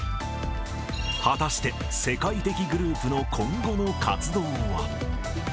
果たして世界的グループの今後の活動は？